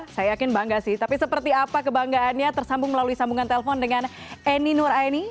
saya yakin bangga sih tapi seperti apa kebanggaannya tersambung melalui sambungan telpon dengan eni nur aini